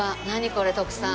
これ徳さん。